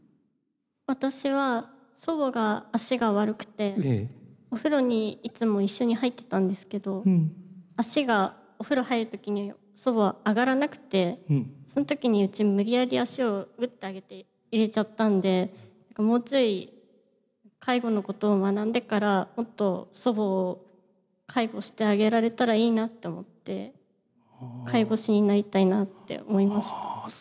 私は祖母が足が悪くてお風呂にいつも一緒に入ってたんですけど足がお風呂入る時に祖母は上がらなくてその時にうち無理やり足をぐって上げて入れちゃったんでもうちょい介護のことを学んでからもっと祖母を介護してあげられたらいいなって思って介護士になりたいなって思いました。